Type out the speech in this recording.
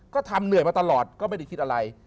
ก็ทำเหนื่อยมาตลอดก็ไม่ได้คิดอะไร